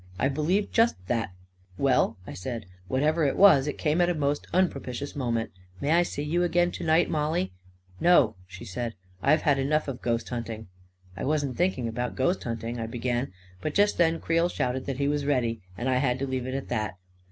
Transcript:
" I believe just thatl" " Well," I said, " whatever it was, it came at a most unpropitious moment. May I see you again to night, Mollie?" "No," she said; "I've had enough' of ghost hunting." A KING IN BABYLON 293 44 1 wasn't thinking about ghost hunting/' I be gan ; but just then Creel shouted that he was ready, and I had to leave it at that.